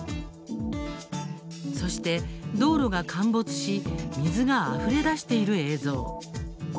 そして道路が陥没し水があふれ出している映像。